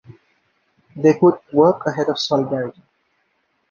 They put work ahead of solidarity.